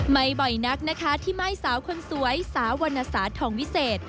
บ่อยนักนะคะที่ม่ายสาวคนสวยสาววรรณสาธองวิเศษ